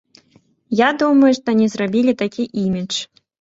Я думаю, што не зрабілі такі імідж.